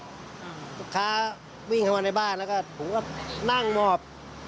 ลูกค้าวิ่งเข้ามาในบ้านแล้วก็ผมก็นั่งหมอบ